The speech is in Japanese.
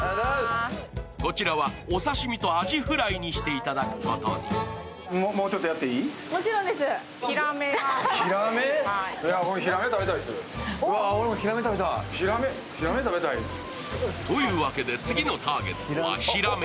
こちらはお刺身とあじフライにしていただくことに。というわけで次のターゲットはひらめ。